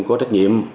có trách nhiệm